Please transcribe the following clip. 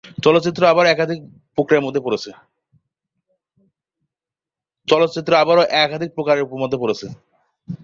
একটি চলচ্চিত্র আবার একাধিক প্রকারের মধ্যে পড়তে পারে।